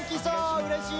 うれしい！